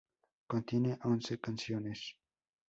Contiene once canciones.